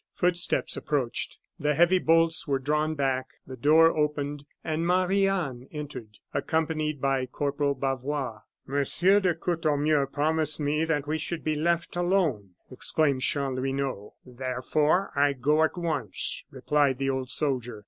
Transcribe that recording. Footsteps approached; the heavy bolts were drawn back, the door opened, and Marie Anne entered, accompanied by Corporal Bavois. "Monsieur de Courtornieu promised me that we should be left alone!" exclaimed Chanlouineau. "Therefore, I go at once," replied the old soldier.